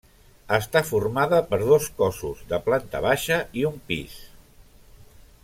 Està formada per dos cossos, de planta baixa i un pis.